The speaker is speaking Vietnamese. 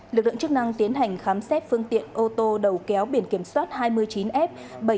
lực lượng chức năng tiến hành khám xét phương tiện ô tô đầu kéo biển kiểm soát hai mươi chín f bảy mươi ba nghìn hai trăm sáu mươi sáu